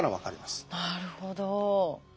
なるほど。